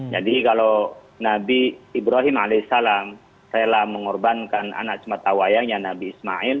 jadi kalau nabi ibrahim as rela mengorbankan anak sematawayanya nabi ismail